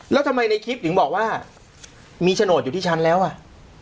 แล้วทำไมในคลิปถึงบอกว่ามีโฉนดอยู่ที่ชั้นแล้วอ่ะ